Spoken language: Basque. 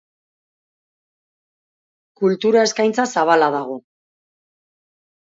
Kultura eskaintza zabala dago.